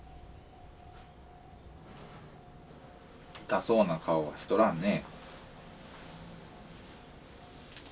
痛そうな顔はしとらんね。